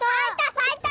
さいた！